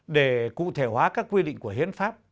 để cụ thể hóa các quy định của hiến pháp